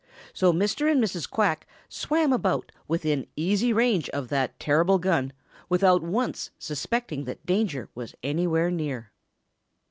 So Mr. and Mrs. Quack swam about within easy range of that terrible gun without once suspecting that danger was anywhere near.